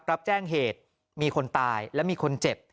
รับแจ้งเหตุมีคนตายและมีคนเจ็บ